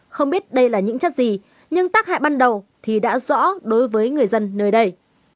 không biết đây là những chất gì nhưng tác hại ban đầu thì đã rõ đối với người dân nơi đây